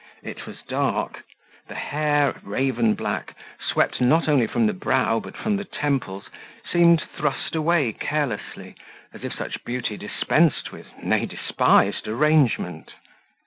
It was dark; the hair, raven black, swept not only from the brow, but from the temples seemed thrust away carelessly, as if such beauty dispensed with, nay, despised arrangement.